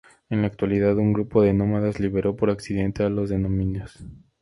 En la actualidad, un grupo de nómadas liberó por accidente a los demonios.